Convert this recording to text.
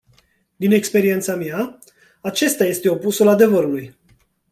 Din experiența mea, acesta este opusul adevărului.